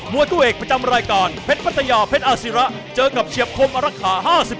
วยคู่เอกประจำรายการเพชรพัทยาเพชรอาศิระเจอกับเฉียบคมอรักษา๕๑